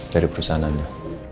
dari perusahaan anda